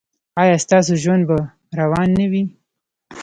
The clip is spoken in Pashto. ایا ستاسو ژوند به روان نه وي؟